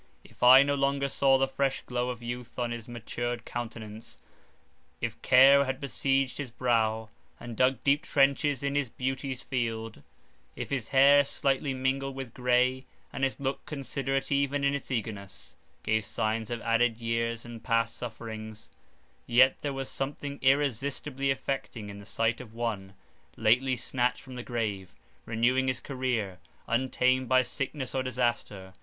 If I no longer saw the fresh glow of youth on his matured countenance, if care had besieged his brow, "And dug deep trenches in his beauty's field," if his hair, slightly mingled with grey, and his look, considerate even in its eagerness, gave signs of added years and past sufferings, yet there was something irresistibly affecting in the sight of one, lately snatched from the grave, renewing his career, untamed by sickness or disaster.